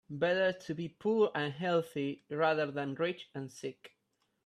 Better to be poor and healthy rather than rich and sick.